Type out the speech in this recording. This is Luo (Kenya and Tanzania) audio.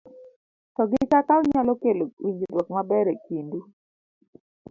to gi kaka onyalo kelo winjruok maber e kind u